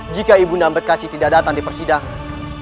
jika ibu muda berkasih tidak datang di persidangan